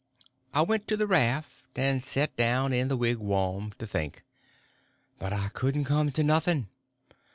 I went to the raft, and set down in the wigwam to think. But I couldn't come to nothing.